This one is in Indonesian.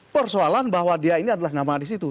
persoalan bahwa dia ini adalah nama a disitu